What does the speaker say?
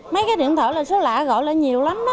mấy cái điện thoại là số lạ gọi là nhiều lắm đó